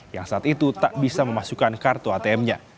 yang saat itu tak bisa memasukkan kartu atm nya